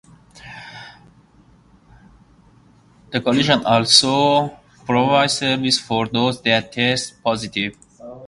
The Coalition also provides services for those that test positive.